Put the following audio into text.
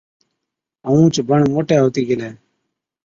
ائُون اُونهچ بڻ موٽَي هُتِي گيلَي۔